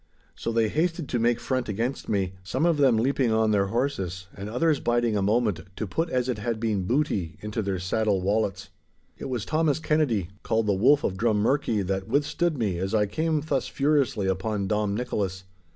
So they hasted to make front against me, some of them leaping on their horses and others biding a moment to put as it had been booty into their saddle wallets. It was Thomas Kennedy, called the Wolf of Drummurchie, that withstood me as I came thus furiously upon Dom Nicholas.